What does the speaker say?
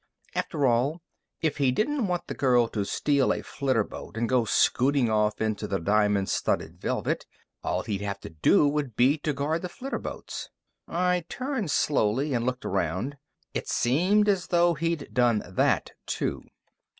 After all, if he didn't want the girl to steal a flitterboat and go scooting off into the diamond studded velvet, all he'd have to do would be to guard the flitterboats. I turned slowly and looked around. It seemed as though he'd done that, too.